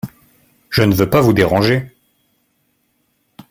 Je ne veux pas vous déranger.